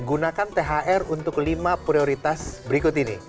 gunakan thr untuk lima prioritas berikut ini